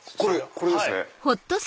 これですね。